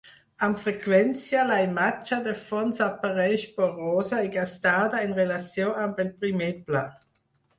Amb freqüència, la imatge de fons apareix borrosa i gastada en relació amb el primer pla.